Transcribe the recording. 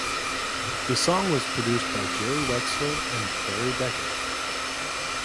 The song was produced by Jerry Wexler and Barry Beckett.